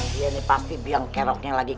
dia ini pasti bilang keroknya lagi